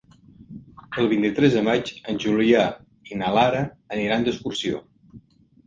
El vint-i-tres de maig en Julià i na Lara aniran d'excursió.